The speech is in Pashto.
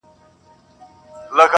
پر نغمو پر زمزمو چپاو راغلى-